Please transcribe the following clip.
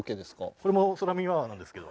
これも空耳アワーなんですけど。